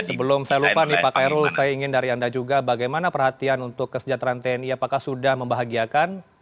sebelum saya lupa nih pak kairul saya ingin dari anda juga bagaimana perhatian untuk kesejahteraan tni apakah sudah membahagiakan